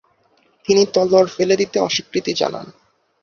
তিনি তলোয়ার ফেলে দিতে অস্বীকৃতি জানান।